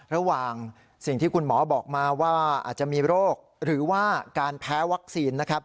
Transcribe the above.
ระหว่างสิ่งที่คุณหมอบอกมาว่าอาจจะมีโรคหรือว่าการแพ้วัคซีนนะครับ